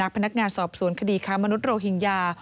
พนักงานสอบสวนคดีค้ามนุษยโรฮิงญา